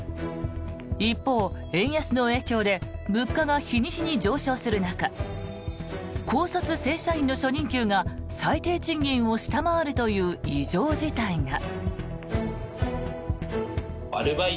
一方、円安の影響で物価が日に日に上昇する中高卒正社員の初任給が最低賃金を下回るという異常事態が。